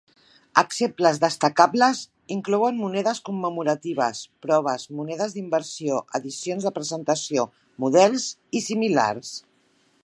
Exemples destacables inclouen monedes commemoratives, proves, monedes d'inversió, edicions de presentació, models i similars.